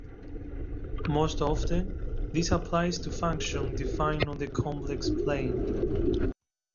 Most often, this applies to functions defined on the complex plane.